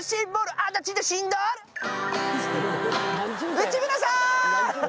内村さん。